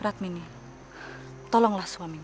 radmini tolonglah suamimu